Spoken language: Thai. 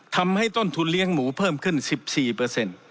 ทำให้ต้นทุนเลี้ยงหมูเพิ่มขึ้น๑๔